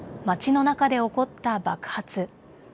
街の中で起こった爆発。